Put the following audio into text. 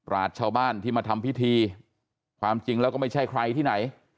ราชชาวบ้านที่มาทำพิธีความจริงแล้วก็ไม่ใช่ใครที่ไหน